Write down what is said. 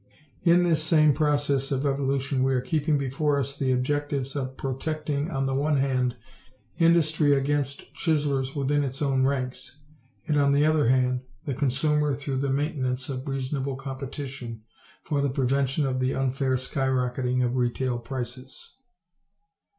In this same process of evolution we are keeping before us the objectives of protecting on the one hand industry against chiselers within its own ranks, and on the other hand the consumer through the maintenance of reasonable competition for the prevention of the unfair sky rocketing of retail prices.